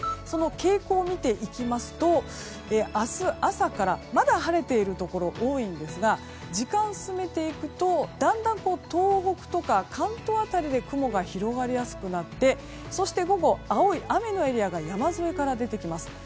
その傾向を見ていきますと明日朝からまだ晴れているところ多いんですが時間を進めていくとだんだん東北とか関東辺りで雲が広がりやすくなってそして午後、雨のエリアが山沿いから出てきます。